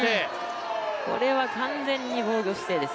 これは完全に防御姿勢です。